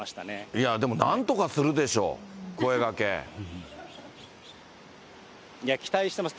いやでも、なんとかするでしょ、いや、期待しています。